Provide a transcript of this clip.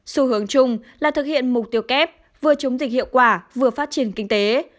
xu hướng chung là thực hiện mục tiêu kép vừa chống dịch hiệu quả vừa phát triển kinh tế